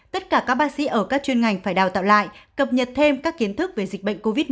tất cả các bác sĩ ở các chuyên ngành phải đào tạo lại cập nhật thêm các kiến thức về dịch bệnh covid một mươi